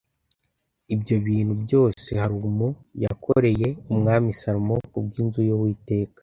Ibyo bintu byose Huramu yakoreye Umwami Salomo ku bw’inzu y’Uwiteka